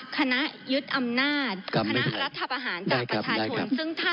คณะยึดอำนาจคณะรัฐประหารจากประชาชน